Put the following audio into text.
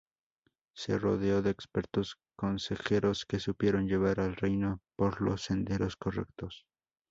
Se rodeó de expertos consejeros, que supieron llevar al reino por los senderos correctos.